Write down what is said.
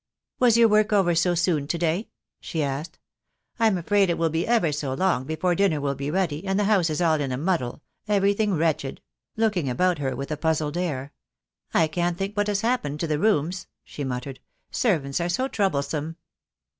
"Was your work over so soon to day?" she asked. "I'm afraid it will be ever so long before dinner will be ready, and the house is all in a muddle — everything wretched" — looking about her with a puzzled air. "I can't think what has happened to the rooms," she muttered. "Servants are so troublesome."